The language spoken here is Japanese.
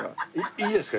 いいですか？